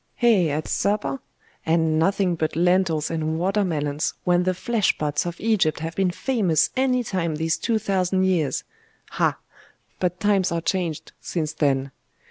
'Eh? At supper? And nothing but lentils and water melons, when the flesh pots of Egypt have been famous any time these two thousand years. Ah! but times are changed since then!....